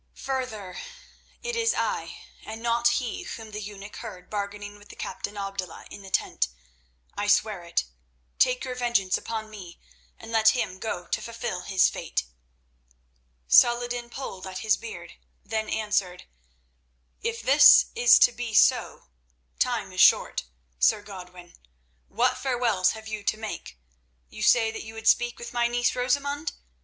Further, it is I and not he whom the eunuch heard bargaining with the captain Abdullah in the tent—I swear it. Take your vengeance upon me, and let him go to fulfil his fate." Saladin pulled at his beard, then answered: "If this is to be so, time is short, Sir Godwin. What farewells have you to make? You say that you would speak with my niece Rosamund?